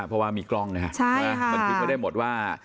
เพราะว่ามีกล้องนะฮะใช่ค่ะมันคิดไม่ได้หมดว่า